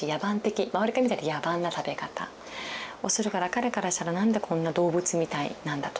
周りから見たら野蛮な食べ方をするから彼からしたら「なんでこんな動物みたいなんだ」と。